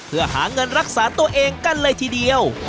เพื่อหาเงินรักษาตัวเองกันเลยทีเดียว